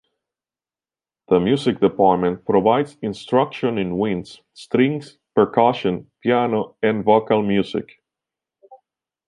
The music department provides instruction in winds, strings, percussion, piano and vocal music.